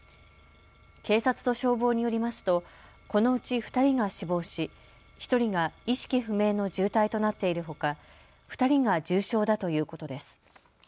警察と消防によりますとこのうち２人が死亡し、１人が意識不明の重体となっているほか２人が重傷だということです。